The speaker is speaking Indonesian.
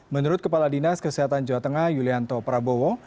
menurut kepala dinas kesehatan jawa tengah yulianto prabowo